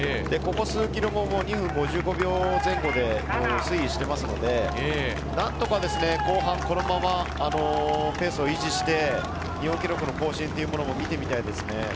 ここ数ｋｍも２分５５秒前後で推移していますので何とか後半このままペースを維持して日本記録の更新を見てみたいですね。